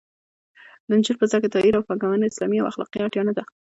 د نجونو په زده کړه تاکید او پانګونه اسلامي او اخلاقي اړتیا نه ده